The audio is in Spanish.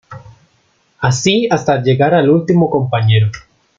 Así hasta llegar al último compañero.